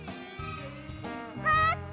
まって！